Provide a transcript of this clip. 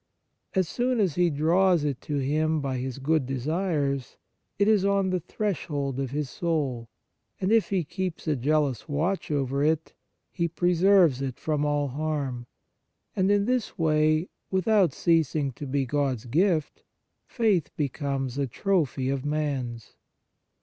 As soon as he draws it to him by his good desires, it is on the threshold of his soul ; and if he keeps a jealous watch over it, he preserves it from all harm, and in this way, without ceasing to be God's gift, faith becomes a trophy of man's.